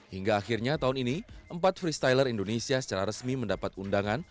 hingga akhirnya tahun ini empat freestyler indonesia secara resmi mendapat undangan